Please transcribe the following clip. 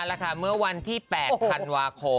แล้วค่ะเมื่อวันที่๘ธันวาคม